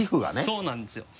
そうなんですよ。